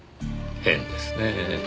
変ですねえ。